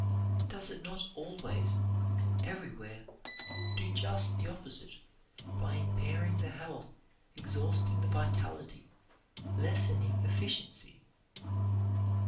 Does it not always everywhere do just the opposite by impairing the health, exhausting the vitality, lessening efficiency?